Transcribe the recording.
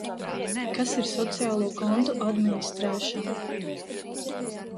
Kas ir sociālo kontu administrēšana?